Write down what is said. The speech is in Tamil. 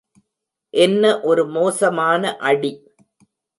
என்ன ஒரு மோசமான அடி.